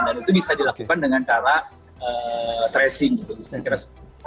dan itu bisa dilakukan dengan cara tracing gitu